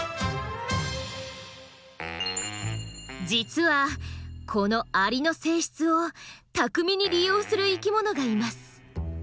実はこのアリの性質を巧みに利用する生きものがいます。